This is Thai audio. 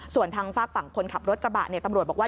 ส่วนทางฝากฝั่งคนขับรถกระบะเนี่ยตำรวจบอกว่า